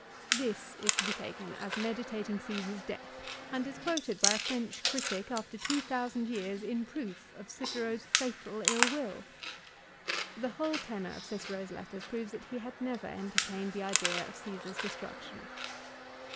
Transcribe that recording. " This is to be taken as meditating Caesar's death, and is quoted by a French critic after 2,000 years, in proof of Cicero's fatal ill will ! a The whole tenor of Cicero's letters proves that he had never entertained the idea of Caesar's destruction.